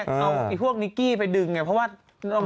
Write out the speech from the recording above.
เอาพวกนิกกี้ไปดึงไงเพราะว่า